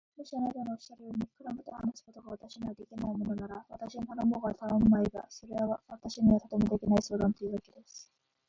もしあなたのおっしゃるように、クラムと話すことが私にはできないものなら、私に頼もうが頼むまいが、それは私にはとてもできない相談というわけです。